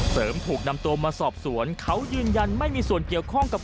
เสริมถูกนำตัวมาสอบสวนเขายืนยันไม่มีส่วนเกี่ยวข้องกับ